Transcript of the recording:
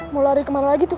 mau lari kemana lagi tuh